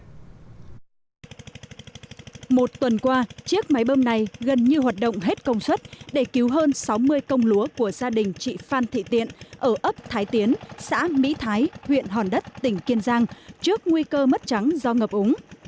một tuần qua chiếc máy bơm này gần như hoạt động hết công suất để cứu hơn sáu mươi công lúa của gia đình chị phan thị tiện ở ấp thái tiến xã mỹ thái huyện hòn đất tỉnh kiên giang trước nguy cơ mất trắng do ngập úng